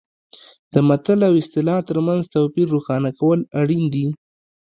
د متل او اصطلاح ترمنځ توپیر روښانه کول اړین دي